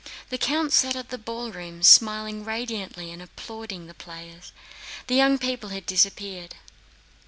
The count sat in the ballroom, smiling radiantly and applauding the players. The young people had disappeared.